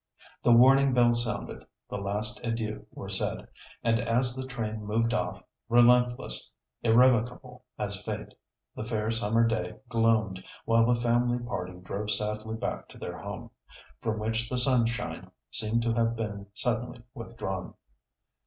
The warning bell sounded, the last adieux were said, and, as the train moved off, relentless, irrevocable as fate—the fair summer day gloomed, while the family party drove sadly back to their home, from which the sunshine seemed to have been suddenly withdrawn.